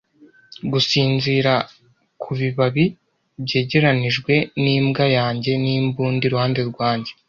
Gusinzira ku bibabi byegeranijwe n'imbwa yanjye n'imbunda iruhande rwanjye.